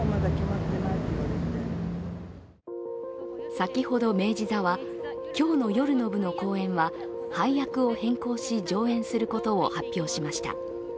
先ほど明治座は今日の夜の部の公演は、配役を変更し上演することを発表しました。